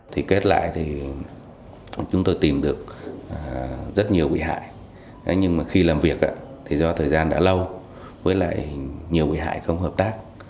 thì kết lại thì chúng tôi tìm được rất nhiều bị hại nhưng mà khi làm việc thì do thời gian đã lâu với lại nhiều bị hại không hợp tác